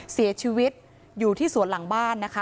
เสียชีวิตอยู่ที่สวนหลังบ้านนะคะ